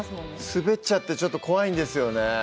滑っちゃってちょっと怖いんですよね